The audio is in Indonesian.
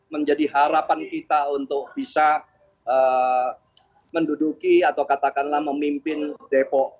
menjadi harapan kita untuk bisa menduduki atau katakanlah memimpin depok